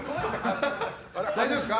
大丈夫ですか？